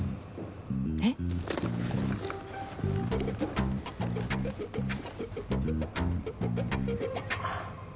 えっ？あっ。